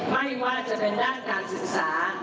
ไม่ว่าจะเป็นด้านการศึกษา